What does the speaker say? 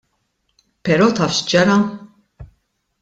Però taf x'ġara?